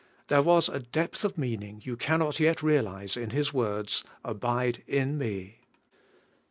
There was a depth of meaning you cannot yet realize in His words: 'Abide IK me.'